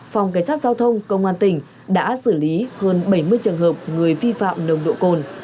phòng cảnh sát giao thông công an tỉnh đã xử lý hơn bảy mươi trường hợp người vi phạm nồng độ cồn